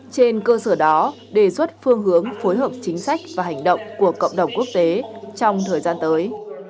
trên cơ sở đó đề xuất phương hướng phối hợp chính sách và hành động của cộng đồng quốc tế trong thời gian tới